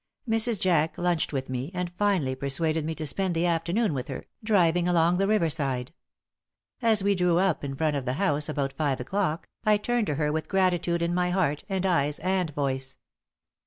Mrs. Jack lunched with me, and finally persuaded me to spend the afternoon with her, driving along the river side. As we drew up in front of the house about five o'clock, I turned to her with gratitude in my heart and eyes and voice.